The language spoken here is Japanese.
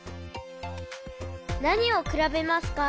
なにをくらべますか？